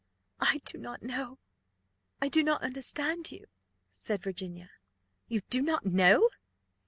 "I do not know. I do not understand you," said Virginia. "You do not know!